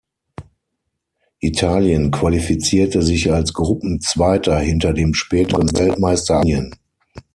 Italien qualifizierte sich als Gruppenzweiter hinter dem späteren Weltmeister Argentinien.